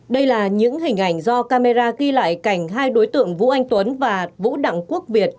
đây là những hình ảnh do camera ghi lại cảnh hai đối tượng vũ anh tuấn và vũ đặng quốc việt